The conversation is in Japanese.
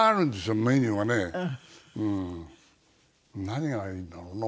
何がいいんだろうな？